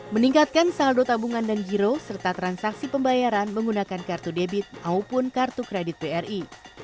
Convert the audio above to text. meningkatkan saldo tabungan dan giro serta transaksi pembayaran menggunakan kartu debit maupun kartu kredit bri